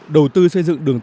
đầu tư xây dựng đường tốt